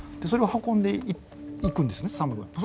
それを運んで行くんですねサムが。